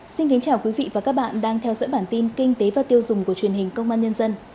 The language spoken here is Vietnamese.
xin kính chào quý vị và các bạn đang theo dõi bản tin kinh tế và tiêu dùng của truyền hình công an nhân dân